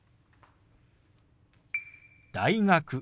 「大学」。